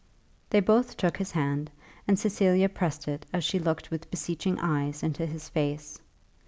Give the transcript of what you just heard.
They both took his hand, and Cecilia pressed it as she looked with beseeching eyes into his face.